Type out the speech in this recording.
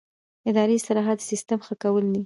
اداري اصلاحات د سیسټم ښه کول دي